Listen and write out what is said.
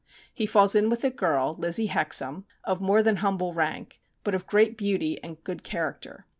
He falls in with a girl, Lizzie Hexham, of more than humble rank, but of great beauty and good character.